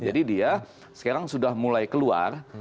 jadi dia sekarang sudah mulai keluar